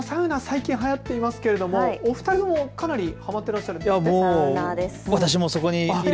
サウナ、最近はやっていますけれどもお二人もかなりはまっていらっしゃるんですね。